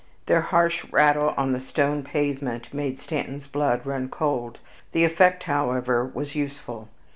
Their harsh rattle on the stone pavement made Stanton's blood run cold; the effect, however, was useful.